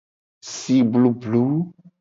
Si blublu.